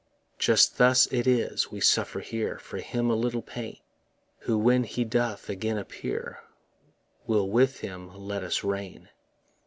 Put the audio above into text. Just thus it is: we suffer here For Him a little pain, Who when he doth again appear Will with him let us reign.